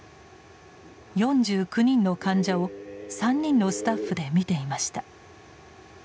４９人の患者を３人のスタッフでみていました。